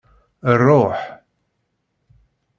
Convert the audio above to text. Ruḥ!